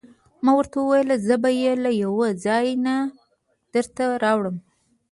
ما ورته وویل: زه به يې له یوه ځای نه درته راوړم.